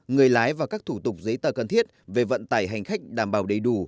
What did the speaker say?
người lái và các thủ tục giấy tờ cần thiết về vận tải hành khách đảm bảo đầy đủ